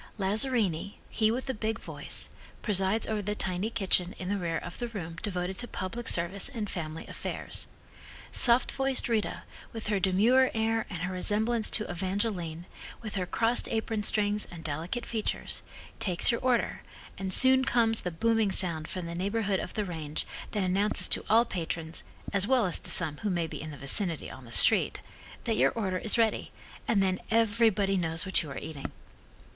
Lazzarini, he with the big voice, presides over the tiny kitchen in the rear of the room devoted to public service and family affairs. Soft voiced Rita, with her demure air and her resemblance to Evangeline, with her crossed apron, strings and delicate features, takes your order, and soon comes the booming sound from the neighborhood of the range, that announces to all patrons, as well as to some who may be in the vicinity on the street, that your order is ready, and then everybody knows what you are eating.